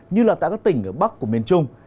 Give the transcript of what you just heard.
như là tại các tỉnh ở bắc của miền trung